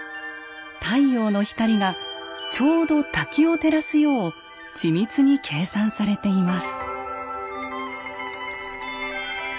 太陽の光がちょうど滝を照らすよう緻密に計算されています。